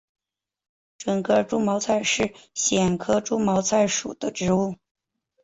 准噶尔猪毛菜是苋科猪毛菜属的植物。